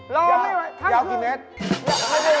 รอไม่ไหวทั้งคือยาวยาวกินเน็ต